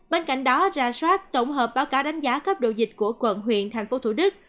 bên cạnh đó ra soát tổng hợp báo cáo đánh giá cấp độ dịch của quận huyện thành phố thủ đức